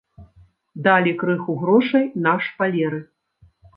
Далі крыху грошай на шпалеры.